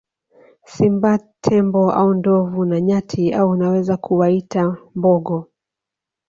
Simba Tembo au ndovu na nyati au unaweza kuwaita mbogo